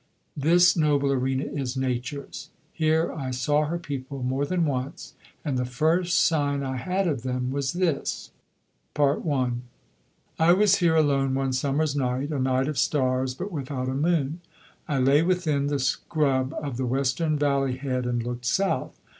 This noble arena is Nature's. Here I saw her people more than once. And the first sign I had of them was this. I I was here alone one summer's night; a night of stars, but without a moon. I lay within the scrub of the western valley head and looked south.